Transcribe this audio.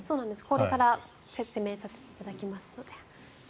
これから説明させていただきます。